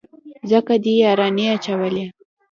ځکه دې يارانې اچولي.